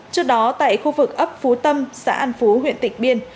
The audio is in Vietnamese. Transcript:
trước đó tại khu vực ấp phú tâm xã an phú huyện tịnh biên